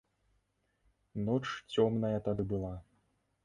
Ноч цёмная тады была.